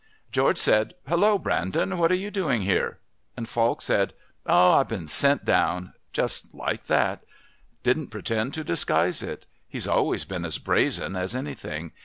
George said 'Hullo, Brandon, what are you doing here?' and Falk said 'Oh, I've been sent down' just like that. Didn't pretend to disguise it. He's always been as brazen as anything.